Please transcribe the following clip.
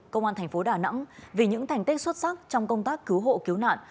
công an thành phố đà nẵng vì những thành tích xuất sắc trong công tác cứu hộ cứu nạn